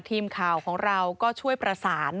ไปดูข้อมูลหลายอย่างละเลย